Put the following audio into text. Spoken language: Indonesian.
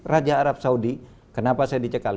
raja arab saudi kenapa saya dicekal